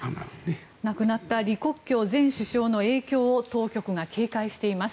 亡くなった李克強前首相の影響を当局が警戒しています。